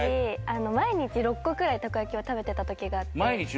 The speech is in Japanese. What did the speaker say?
毎日６個くらいたこ焼きを食べてたときがあって。